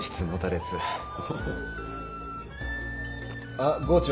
あっ郷長。